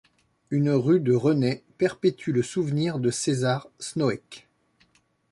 Une rue de Renaix perpétue le souvenir de César Snoeck.